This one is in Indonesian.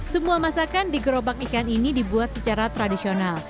semua masakan di gerobak ikan ini dibuat secara tradisional